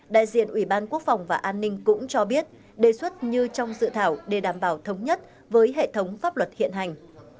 đại diện ủy ban quốc phòng và an ninh cũng cho biết đề xuất như trong dự thảo để đảm bảo thống nhất với hệ thống pháp luật hiện hành